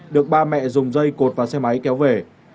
được ba mẹ dùng dây cột và xe máy kéo về